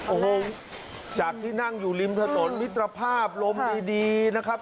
โอ้โหจากที่นั่งอยู่ริมถนนมิตรภาพลมดีนะครับ